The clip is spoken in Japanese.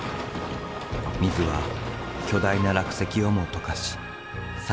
水は巨大な落石をも溶かし更に拡大。